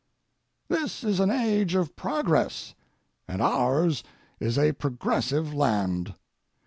This is an age of progress, and ours is a progressive land.